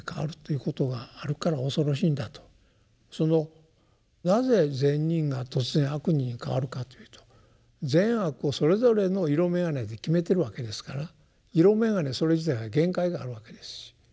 そのなぜ「善人」が突然「悪人」に変わるかというと善悪をそれぞれの色眼鏡で決めてるわけですから色眼鏡それ自体が限界があるわけです。